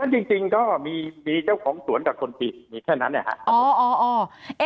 จริงก็มีเจ้าของสวนกับคนกรีดมีแค่นั้นเนี่ยค่ะ